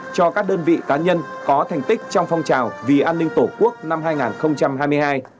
cho các đơn vị cá nhân có thành tích trong phong trào vì an ninh tổ quốc năm hai nghìn hai mươi hai